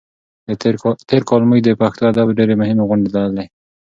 تېر کال موږ د پښتو ادب ډېرې مهمې غونډې لرلې.